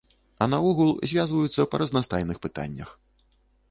А наогул, звязваюцца па разнастайных пытаннях.